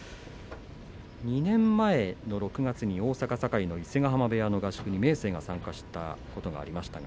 ２年前の６月に大阪堺の伊勢ヶ濱部屋の合宿に明生が参加したことがありました。